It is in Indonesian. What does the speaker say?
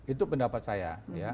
itu pendapat saya